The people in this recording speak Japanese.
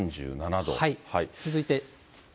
続いて。